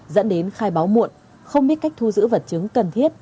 dẫn đến khai báo muộn không biết cách thu giữ vật chứng cần thiết